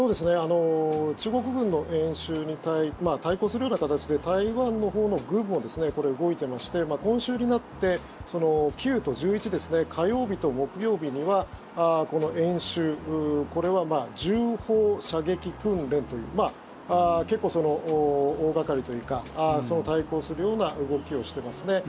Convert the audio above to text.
中国軍の演習に対抗するような形で台湾のほうの軍も動いていまして今週になって、９と１１ですね火曜日と木曜日には演習これは重砲射撃訓練という結構、大がかりというか対抗するような動きをしていますね。